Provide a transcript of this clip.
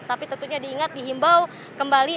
tapi tentunya diingat dihimbau kembali